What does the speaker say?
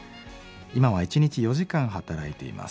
今は一日４時間働いています。